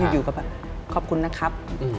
อยู่กับขอบคุณนะครับ